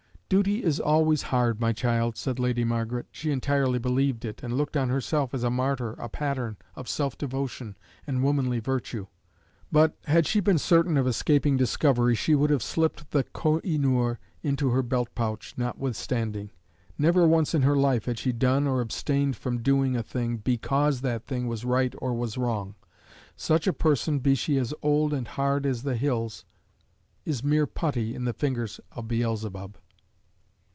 "Duty is always hard, my child," said Lady Margaret. She entirely believed it, and looked on herself as a martyr, a pattern of self devotion and womanly virtue. But, had she been certain of escaping discovery, she would have slipped the koh i noor into her belt pouch, notwithstanding. Never once in her life had she done or abstained from doing a thing because that thing was right or was wrong. Such a person, be she as old and as hard as the hills, is mere putty in the fingers of Beelzebub.